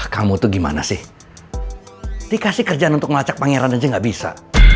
kamu tuh gimana sih dikasih kerjaan untuk melacak pangeran aja gak bisa